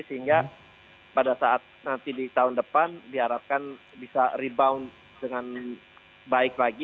sehingga pada saat nanti di tahun depan diharapkan bisa rebound dengan baik lagi